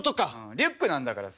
リュックなんだからさ